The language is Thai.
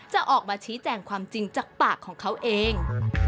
จะออกมาชี้แจงความจริงจากปากของเขาเอง